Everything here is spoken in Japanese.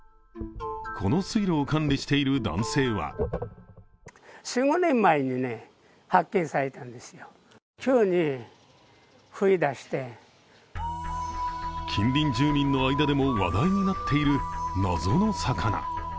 この水路を管理している男性は近隣住民の間でも話題になっている謎の魚。